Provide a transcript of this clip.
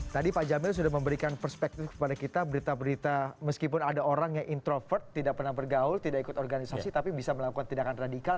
tadi pak jamil sudah memberikan perspektif kepada kita berita berita meskipun ada orang yang introvert tidak pernah bergaul tidak ikut organisasi tapi bisa melakukan tindakan radikal